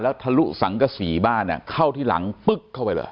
ทะลุสังกษีบ้านเข้าที่หลังปึ๊กเข้าไปเลย